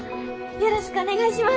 よろしくお願いします！